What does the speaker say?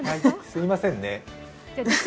すいませんね。